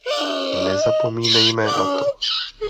Nezapomínejme na to.